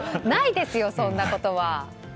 ないですよ、そんなことは。